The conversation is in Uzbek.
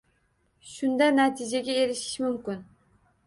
Shunda natijaga erishish mumkin.